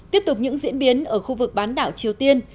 tiếp tục những diễn biến ở khu vực bán đảo triều tiên